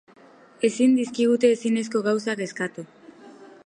Ezin dizkigute ezinezko gauzak eskatu.